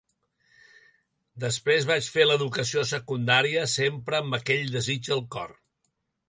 Després vaig fer l'educació secundària, sempre amb aquell desig al cor.